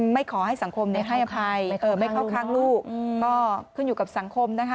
ไม่ขอให้สังคมให้อภัยไม่เข้าข้างลูกก็ขึ้นอยู่กับสังคมนะคะ